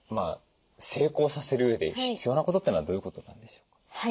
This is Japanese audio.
成功させるうえで必要なことっていうのはどういうことなんでしょう？